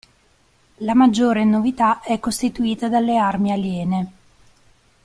La maggiore novità è costituita dalle armi aliene.